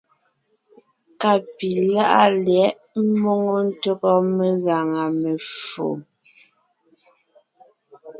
Ka pi láʼa lyɛ̌ʼ ḿmoŋo ntÿɔgɔ megaŋa ffo.